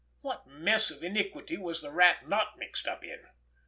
What mess of iniquity was the Rat not mixed up in!